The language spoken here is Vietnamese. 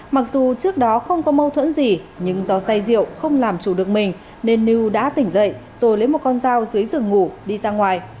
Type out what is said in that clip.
mặc dù trước đó không có mâu thuẫn gì nhưng do say rượu không làm chủ được mình nên lưu đã tỉnh dậy rồi lấy một con dao dưới giường ngủ đi ra ngoài